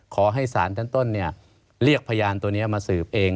ขอให้สารชั้นต้นเรียกพยานตัวนี้มาสืบเอง